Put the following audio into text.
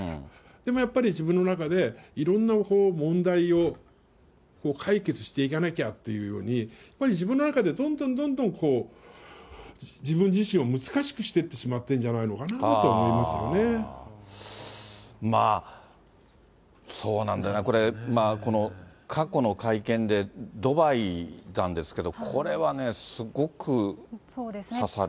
でもやっぱり、自分の中で、いろんな問題を解決していかなきゃというように、やっぱり自分の中で、どんどんどんどん、自分自身を難しくしていってしまっているんじゃないかなと思いままあ、そうなんだよね、この過去の会見でドバイなんですけど、これはね、すごく刺さる。